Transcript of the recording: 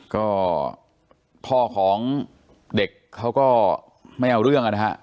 ก็พ่อของเด็กเขาก็ไม่เอาเรื่องนะฮะ